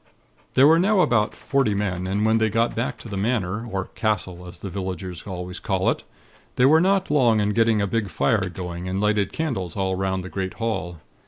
"There were now about forty men, and when they got back to the Manor or castle as the villagers always call it they were not long in getting a big fire going, and lighted candles all 'round the great hall.